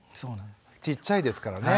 ちっちゃいですからね。